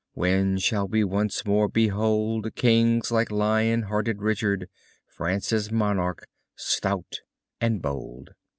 When shall we once more behold Kings like lion hearted Richard, France's monarch, stout and bold?